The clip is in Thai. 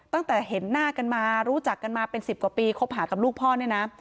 ตั้งแต่เห็นหน้ากันมารู้จักกันมาเป็น๑๐กว่าปีคบหากับลูกพ่อเนี่ยนะ